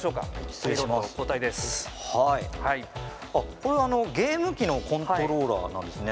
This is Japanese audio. これ、ゲーム機のコントローラーなんですね。